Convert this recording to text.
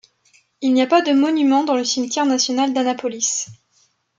Il n'y a pas de monuments dans le cimetière national d'Annapolis.